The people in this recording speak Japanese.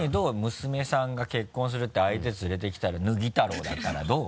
娘さんが結婚するって相手連れてきたらぬぎたろうだったらどう？